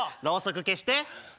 ろうそく消して。